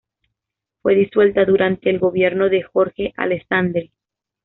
Fue disuelta durante el gobierno de Jorge Alessandri.